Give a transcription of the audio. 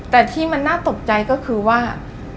แต่ที่มันน่าตกใจก็คือว่า